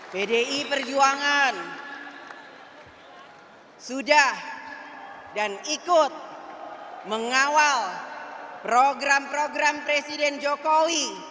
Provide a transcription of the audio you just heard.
pdi perjuangan sudah dan ikut mengawal program program presiden jokowi